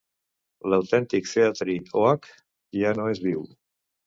L'autèntic Treaty Oak ja no és viu.